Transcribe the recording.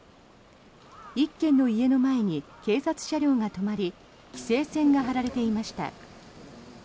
１軒の家の前に警察車両が止まり規制線が張られていました。